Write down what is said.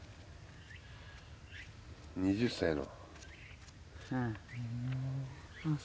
２０歳の。